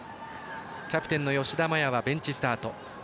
キャプテンの吉田麻也はベンチスタート。